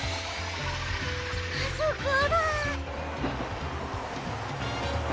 あそこだ。